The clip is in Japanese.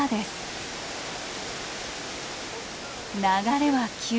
流れは急。